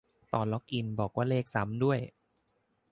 ตอนล็อกอิน บอกว่าเลขซ้ำด้วย